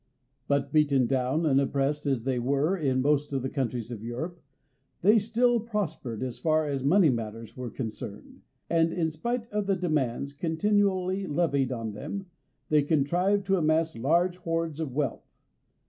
But beaten down and oppressed as they were in most of the countries of Europe, they still prospered as far as money matters were concerned, and, in spite of the demands continually levied on them, they contrived to amass large hoards of wealth.